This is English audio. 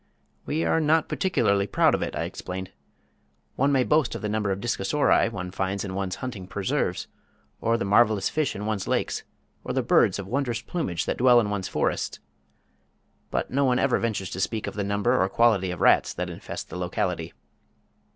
"We are not particularly proud of it," I explained. "One may boast of the number of Discosauri one finds in one's hunting preserves, or the marvelous fish in one's lakes, or the birds of wondrous plumage that dwell in one's forests, but none ever ventures to speak of the number or quality of rats that infest the locality."